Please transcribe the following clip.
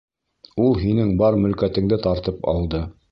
Ул һинең бар мөлкәтеңде тартып алды.